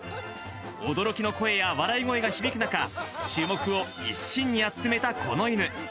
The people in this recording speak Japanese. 驚きの声や笑い声が響く中、注目を一身に集めたこの犬。